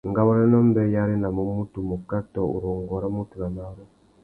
Ngawôrénô mbê i arénamú mutu muká tô urrôngô râ watu nà marru.